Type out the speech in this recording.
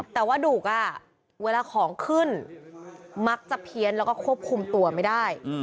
แต่ว่าดุกเวลาของขึ้นค่อนข้างมักจะเพี้ยนคุมตัวไม่ได้